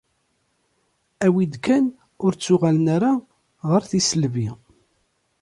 Awi-d kan ur ttuɣalen ara ɣer tisselbi.